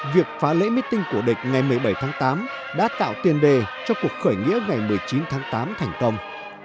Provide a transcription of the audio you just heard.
việc phá lễ meeting của địch ngày một mươi bảy tháng tám đã tạo tiền đề cho cuộc khởi nghĩa ngày một mươi chín tháng tám thành công